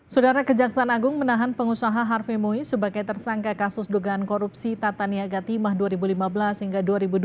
saudara kejaksaan agung menahan pengusaha harve mui sebagai tersangka kasus dugaan korupsi tata niaga timah dua ribu lima belas hingga dua ribu dua puluh